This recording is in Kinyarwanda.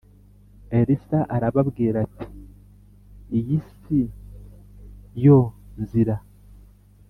Elisa arababwira ati iyi si yo nzira